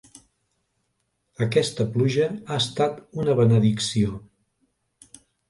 Aquesta pluja ha estat una benedicció.